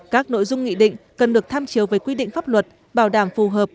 các nội dung nghị định cần được tham chiều với quy định pháp luật bảo đảm phù hợp